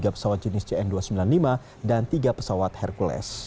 tiga pesawat jenis cn dua ratus sembilan puluh lima dan tiga pesawat hercules